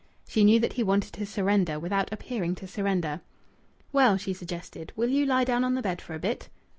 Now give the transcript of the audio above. She knew that he wanted to surrender without appearing to surrender. "Well," she suggested, "will you lie down on the bed for a bit?"